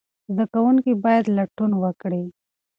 زده کوونکي باید لټون وکړي.